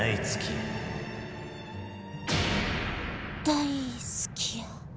大好きや？